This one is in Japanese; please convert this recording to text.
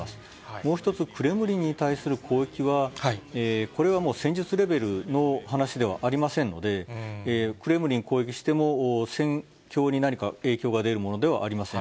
もう１つ、クレムリンに対する攻撃は、これはもう戦術レベルの話ではありませんので、クレムリン攻撃しても、戦況に何か影響が出るものではありません。